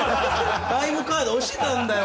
タイムカード押してたんだよ